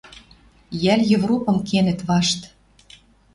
Йӓл Европым кенӹт вашт